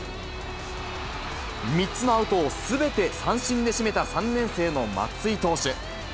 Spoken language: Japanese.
３つのアウトをすべて三振で締めた３年生の松井投手。